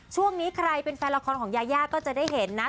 ช่วงนี้ใครเป็นแฟนละครของยายาก็จะได้เห็นนะ